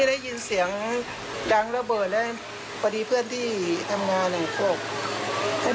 และทีนี้ได้ยินเสียงดังระเบิด